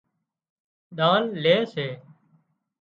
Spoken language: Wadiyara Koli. ۮان لي سي